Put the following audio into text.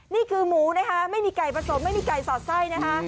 นี่คือหมูนะคะไม่มีไก่ผสมไม่มีไก่สอดไส้นะคะ